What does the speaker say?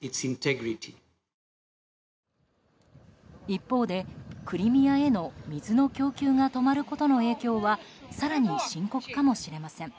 一方でクリミアへの水の供給が止まることの影響は更に深刻かもしれません。